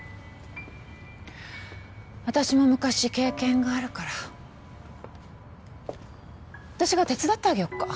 私も昔経験があるから私が手伝ってあげよっか？